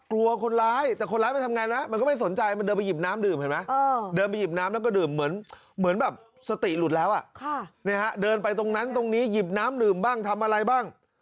กลัวคนร้ายแต่คนร้ายมันทำยังไงนะ